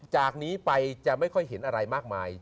จากนี้ไปจะไม่ค่อยเห็นอะไรมากมาย